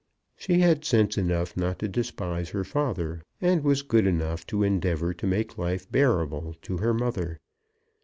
She had sense enough not to despise her father, and was good enough to endeavour to make life bearable to her mother.